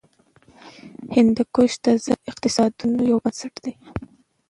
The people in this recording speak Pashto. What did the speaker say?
هندوکش د ځایي اقتصادونو یو بنسټ دی.